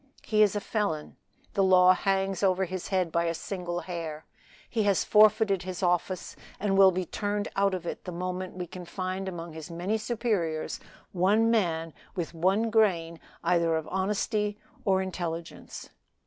He is a felon. The law hangs over his head by a single hair; he has forfeited his office, and will be turned out of it the moment we can find among his many superiors one man with one grain either of honesty or intelligence."